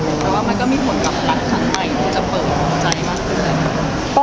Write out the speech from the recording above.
แต่ว่ามันก็มีผลกับรักครั้งใหม่ที่จะเปิดหัวใจมากขึ้น